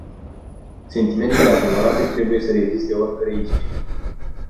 Sentimentele adevărate trebuie să reziste oricărei ispite.